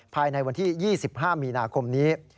ภายในวันที่๒๕มีนาคมนี้